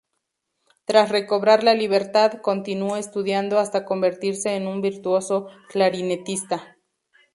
Tras recobrar la libertad, continuó estudiando hasta convertirse en un virtuoso clarinetista.